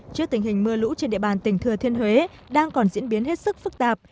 trước tình hình mưa lũ trên địa bàn tỉnh thừa thiên huế đang còn diễn biến hết sức phức tạp